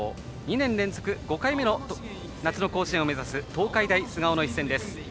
２年連続５回目の夏の甲子園を目指す東海大菅生の一戦です。